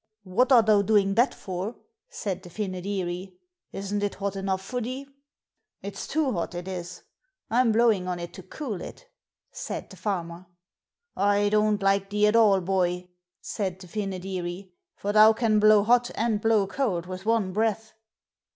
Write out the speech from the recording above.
'What are thou doing that for?' said the Fynoderee. 'Isn't it hot enough for thee?' 'It's too hot, it is; I'm blowing on it to cool it,' said the Farmer. 'I don't like thee at all, boy,' said the Fynoderee, 'for thou can blow hot and blow cold with one breath.'